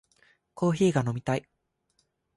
コーヒーが飲みたい